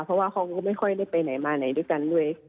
เพราะว่าเขาก็ไม่ค่อยได้ไปไหนมาไหนด้วยกันด้วย